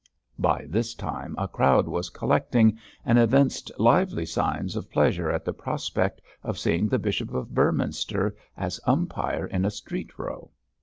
By this time a crowd was collecting, and evinced lively signs of pleasure at the prospect of seeing the Bishop of Beorminster as umpire in a street row.